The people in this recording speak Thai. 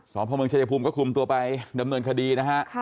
สพชภูมิก็คุ้มตัวไปดำเนินคดีนะฮะ